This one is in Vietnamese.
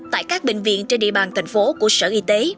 tại các bệnh viện trên địa bàn thành phố của sở y tế